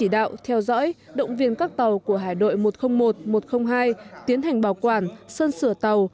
theo dõi động viên các tàu của hải đội một trăm linh một một trăm linh hai tiến hành bảo quản sơn sửa tàu